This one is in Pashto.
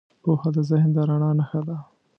پوهه د ذهن د رڼا نښه ده.